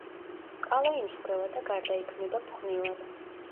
კალა იმსხვრევა და გარდაიქმნება ფხვნილად.